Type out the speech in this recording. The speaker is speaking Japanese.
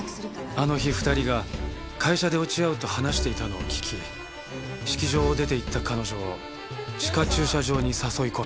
あの日２人が会社で落ち合うと話していたのを聞き式場を出ていった彼女を地下駐車場に誘い込み。